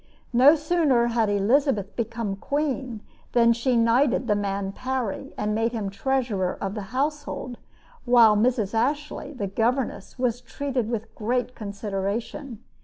No sooner had Elizabeth become queen than she knighted the man Parry and made him treasurer of the household, while Mrs. Ashley, the governess, was treated with great consideration.